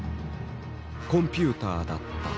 コンピューターだった。